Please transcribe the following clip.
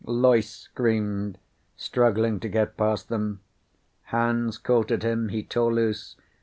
Loyce screamed, struggling to get past them. Hands caught at him. He tore loose.